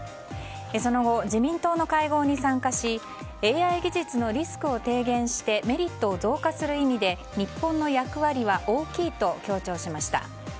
その後、自民党の会合に参加しＡＩ技術のリスクを低減してメリットを増加する意味で日本の役割は大きいと強調しました。